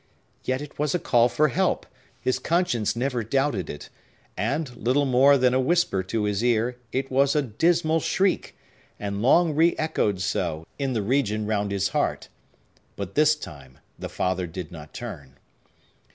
Yet it was a call for help!—his conscience never doubted it;—and, little more than a whisper to his ear, it was a dismal shriek, and long reechoed so, in the region round his heart! But this time the father did not turn.